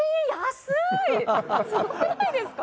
すごくないですか？